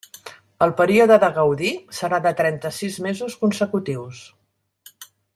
El període de gaudi serà de trenta-sis mesos consecutius.